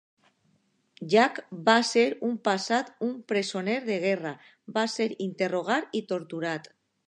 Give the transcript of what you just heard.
Jack va ser en un passat un presoner de guerra, va ser interrogat i torturat.